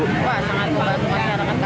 wah sangat berat masyarakat masyarakat ya